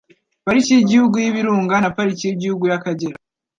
Pariki y'Igihugu y'Ibirunga na Pariki y'Igihugu y'Akagera.